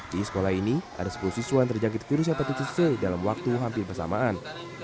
di sekolah ini ada sepuluh siswa yang terjangkit virus hepatitis c dalam waktu hampir bersamaan